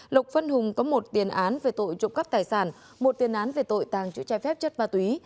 lộc văn hùng có một tiền án về tội trộm cắp tài sản một tiền án về tội tàng trữ trái phép chất ma túy